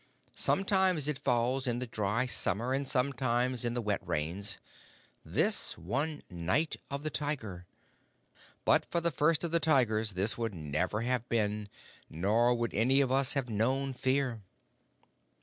Sometimes it falls in the dry summer and sometimes in the wet rains this one Night of the Tiger. But for the First of the Tigers, this would never have been, nor would any of us have known fear."